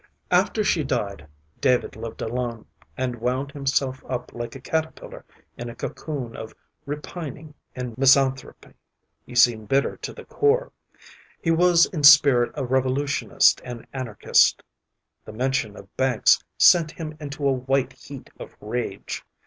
After she died, David lived alone, and wound himself up like a caterpillar in a cocoon of repining and misanthropy. He seemed bitter to the core. He was in spirit a revolutionist and anarchist. The mention of banks sent him into a white heat of rage.